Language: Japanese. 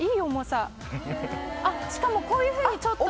しかもこういうふうにちょっと。